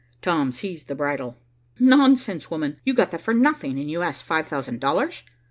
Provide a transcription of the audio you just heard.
Tom seized the bridle. "Nonsense, woman. You got that for nothing, and you ask five thousand dollars.